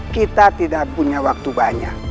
kita tidak punya waktu banyak